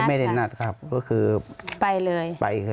ไม่ได้นัดครับก็คือไปเลย